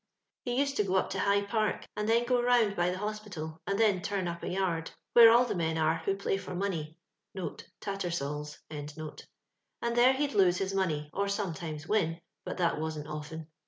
He used to go up to High Park, and then go loond by the Hospital, and then torn np a yard, where all the men are who play for money [TattersaU's] ; and there he'd lose his money, or sometimes win, — but that wasn't often.